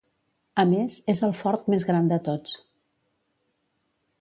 A més, és el fort més gran de tots.